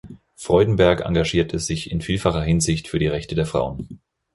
Freudenberg engagierte sich in vielfacher Hinsicht für die Rechte der Frauen.